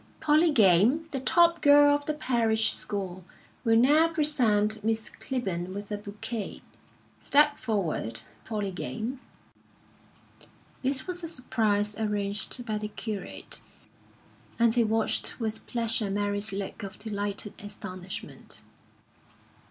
"Polly Game, the top girl of the Parish School, will now present Miss Clibborn with a bouquet. Step forward, Polly Game." This was a surprise arranged by the curate, and he watched with pleasure Mary's look of delighted astonishment.